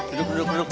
duduk duduk duduk